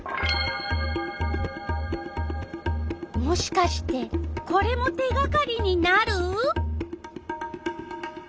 もしかしてこれも手がかりになる？